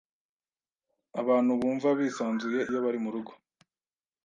Abantu bumva bisanzuye iyo bari murugo.